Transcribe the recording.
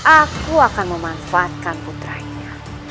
aku akan memanfaatkan putranya